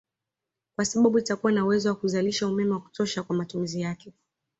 Kwa sababu itakuwa na uwezo wa kuzalisha umeme wa kutosha kwa matumizi yake